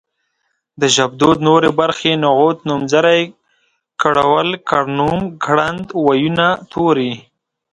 د ژبدود نورې برخې نغوت نومځری کړول کړنوم کړند وييونه توري